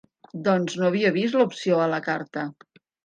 Doncs no havia vist la opció a la carta.